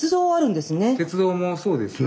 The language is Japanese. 鉄道もそうですね。